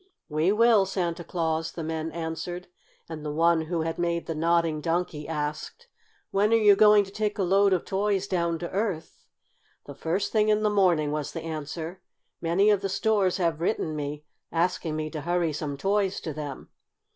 "We will, Santa Claus," the men answered. And the one who had made the Nodding Donkey asked: "When are you going to take a load of toys down to Earth?" "The first thing in the morning," was the answer. "Many of the stores have written me, asking me to hurry some toys to them.